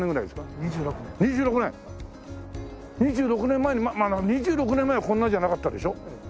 ２６年前にまあ２６年前はこんなじゃなかったでしょ？